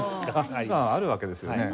あるわけですよね。